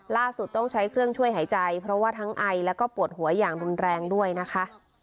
ต้องใช้เครื่องช่วยหายใจเพราะว่าทั้งไอแล้วก็ปวดหัวอย่างรุนแรงด้วยนะคะ